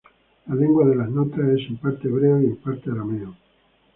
La lengua de las notas es en parte hebreo y en parte arameo.